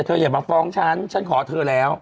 อย่ามาฟ้องฉันฉันขอเธอแล้ว